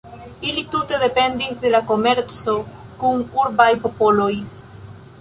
Ili tute dependis de la komerco kun urbaj popoloj.